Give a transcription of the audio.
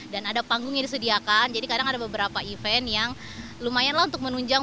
dan ada panggung yang disediakan jadi kadang ada beberapa event yang lumayan lah untuk menunjang